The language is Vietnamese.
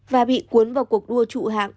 và bị cuốn vào cuộc đua trụ hạng